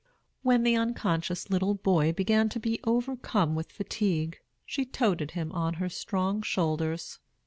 When the unconscious little boy began to be overcome with fatigue she "toted" him on her strong shoulders.